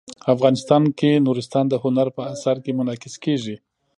افغانستان کې نورستان د هنر په اثار کې منعکس کېږي.